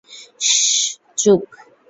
শশশশ্, চুপ।